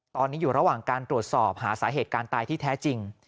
ตอนนี้อยู่ระหว่างการตรวจสอบหาสาเหตุการตายที่แท้จริง